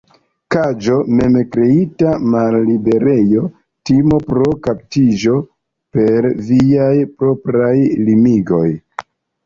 Kaĝo: Mem-kreita malliberejo; timo pro kaptiĝo per viaj propraj limigoj.